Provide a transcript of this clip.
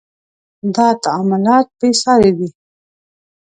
• دا تعاملات بې ساري دي.